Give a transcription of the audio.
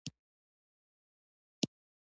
پاکې شوې تیږې د اور په منځ کې ږدي چې ښې ګرمې شي.